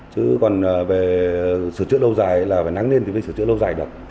chứ còn về sửa chữa lâu dài là phải nắng lên thì mới sửa chữa lâu dài được